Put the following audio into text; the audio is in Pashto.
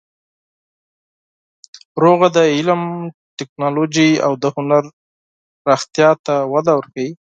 سوله د علم، ټکنالوژۍ او هنر پراختیا ته وده ورکوي.